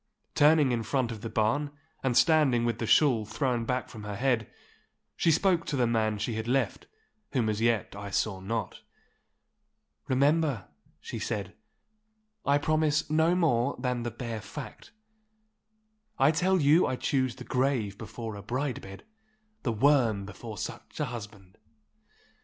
Turning in front of the barn, and standing with the shawl thrown back from her head, she spoke to the man she had left, whom as yet I saw not. 'Remember,' she said, 'I promise no more than the bare fact. I tell you I choose the grave before a bride bed, the worm before such a husband!